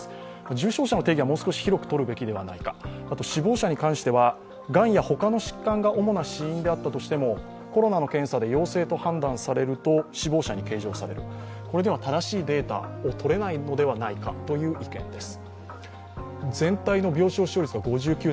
重症者の定義はもう少し広くとるべきではないか、死亡者に関してはがんや他の疾患が主な死因であったとしてもコロナの検査で陽性と判断されると死亡者に計上される、これでは正しいデータをとれないのではないかという意見です。